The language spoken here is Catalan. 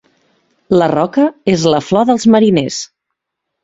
La Roca és la flor dels mariners.